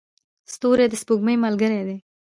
ستوري د سپوږمۍ ملګري دي.